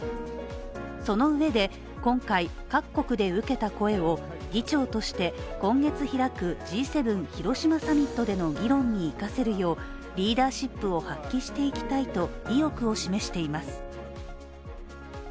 そのうえで今回、各国で受けた声を議長として今月開くＧ７広島サミットでの議論に生かせるようリーダーシップを発揮していきたいと意欲を示しています。